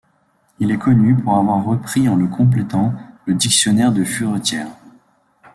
Il est connu pour avoir repris en le complétant le dictionnaire de Furetière.